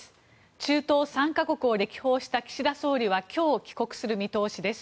中東３か国を歴訪した岸田総理は今日帰国する見通しです。